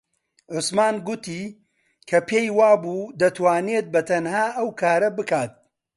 عوسمان گوتی کە پێی وابوو دەتوانێت بەتەنها ئەو کارە بکات.